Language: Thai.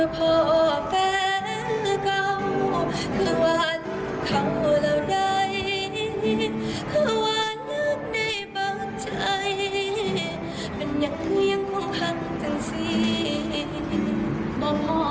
เป็นอย่างใจก็เป็นติดติด